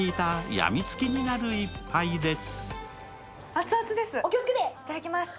病みつきになる一杯です。